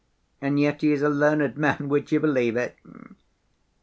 And yet he is a learned man, would you believe it?